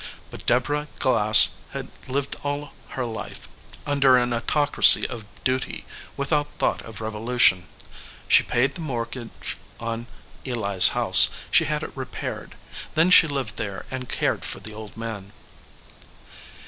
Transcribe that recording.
But Deborah Glass had lived all her life under an autoc racy of Duty without thought of revolution. She paid the mortgage on Eli s house, she had it re paired. Then she lived there and cared for the old man.